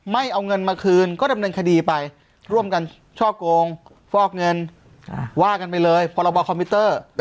ไม่เอาเงินมาคืนก็ดำเนินคดีไปร่วมกันช่อโกงฟอกเงินว่ากันไปเลยพรบคอมพิวเตอร์